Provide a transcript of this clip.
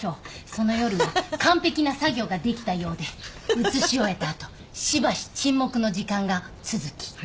その夜は完璧な作業ができたようで移し終えた後しばし沈黙の時間が続き。